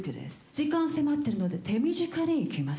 時間迫ってるので手短に行きます。